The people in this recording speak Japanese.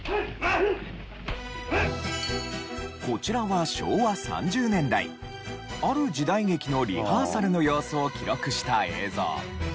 こちらは昭和３０年代ある時代劇のリハーサルの様子を記録した映像。